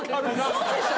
そうでしょ？